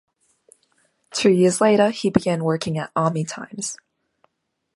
Two years later he began working at "Army Times".